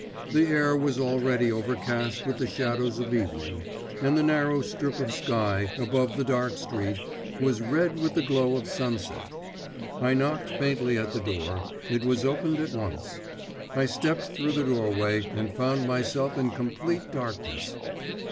The air was already overcast with the shadows of evening, and the narrow strip of sky, above the dark street, was red with the glow of sunset. I knocked faintly at the door; it was opened at once. I stepped through the doorway, and found myself in complete darkness.